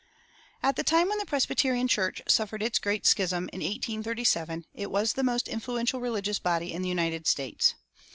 At the time when the Presbyterian Church suffered its great schism, in 1837, it was the most influential religious body in the United States.